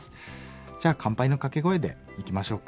じゃあ乾杯の掛け声でいきましょうか。